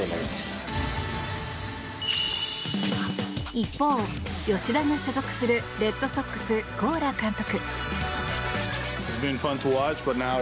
一方、吉田が所属するレッドソックス、コーラ監督。